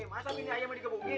masa ini ayamnya digebukin